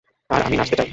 আর আমি নাচতে চাই।